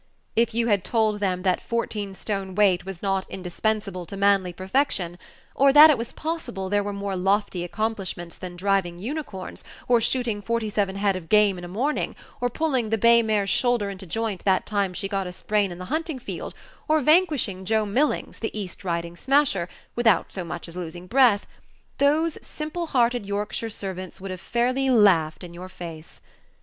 If you had told them that fourteen stone weight was not indispensable to manly perfection, or that it was possible there were more lofty accomplishments than driving unicorns, or shooting forty seven head of game in a morning, or pulling the bay mare's shoulder into joint that time she got a sprain in the hunting field, or vanquishing Joe Millings, the East Riding smasher, without so much as losing breath, those simple hearted Page 26 Yorkshire servants would have fairly laughed in your face.